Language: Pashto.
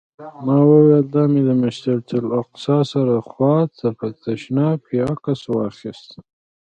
ما وویل: دا مې د مسجداالاقصی سره خوا ته په تشناب کې عکس واخیست.